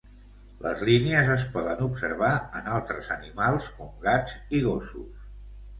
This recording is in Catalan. Les línies es poden observar en altres animals com gats i gossos.